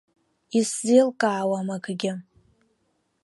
Исзеилкаауам акгьы!